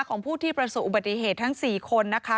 ของผู้ที่ประสบอุบัติเหตุทั้ง๔คนนะคะ